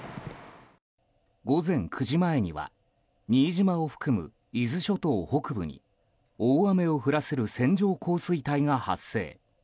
午前９時前には新島を含む伊豆諸島北部に大雨を降らせる線状降水帯が発生。